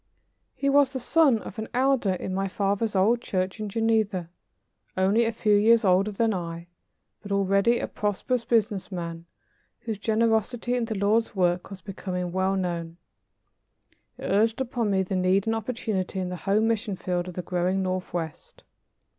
He was the son of an elder in my father's old church in Geneva, only a few years older than I, but already a prosperous business man whose generosity in the Lord's work was becoming well known. He urged upon me the need and opportunity in the home mission field of the growing northwest.